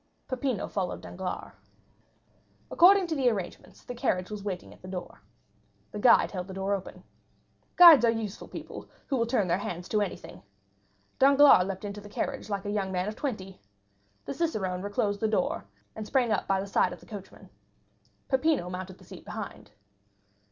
Peppino followed Danglars. According to the arrangements, the carriage was waiting at the door. The guide held the door open. Guides are useful people, who will turn their hands to anything. Danglars leaped into the carriage like a young man of twenty. The cicerone reclosed the door, and sprang up by the side of the coachman. Peppino mounted the seat behind.